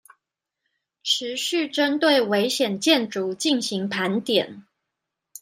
持續針對危險建築進行盤點